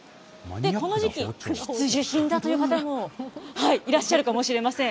この時期、必需品だという方もいらっしゃるかもしれません。